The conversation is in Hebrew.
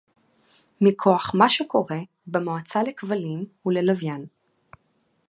מכוח מה שקורה במועצה לכבלים וללוויין